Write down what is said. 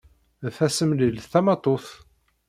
D tasemlilt tamatut.